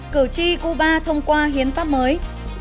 cửa chi cuba thông qua hiến pháp mới